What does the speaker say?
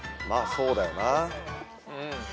そうだよな。